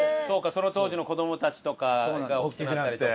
その当時の子供たちとかが大きくなったりとか。